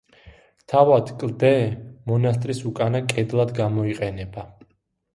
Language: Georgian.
თავად კლდე მონასტრის უკანა კედლად გამოიყენება.